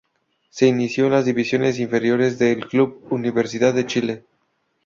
Se inició en las divisiones inferiores del Club Universidad de Chile.